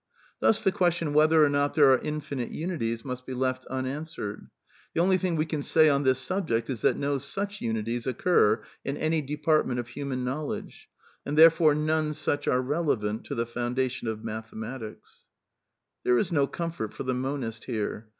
Thus the question whether or not there are infinite unities must be left unanswered, the only thing we can say on this subject is that no such imities occur in any department of human knowledge, and therefore none such are relevant to the foundation of matiiematics." {PHncipia Mathematics, pp. 145, 146.) There is no comfort for the monist here.